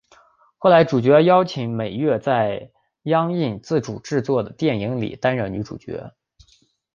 后来主角邀请美月在映研自主制作电影里担任女主角。